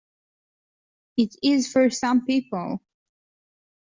It is for some people.